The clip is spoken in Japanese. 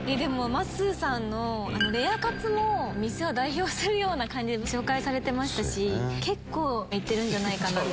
まっすーさんのレアカツも店を代表するような感じで紹介されてましたし結構いってるんじゃないかなと。